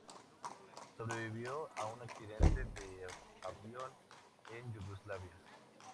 Sobrevivió a un accidente de avión en Yugoslavia.